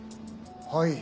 はい。